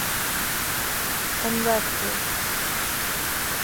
An raibh sibh